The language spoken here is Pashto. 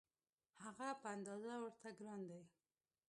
هغه په اندازه ورته ګران دی.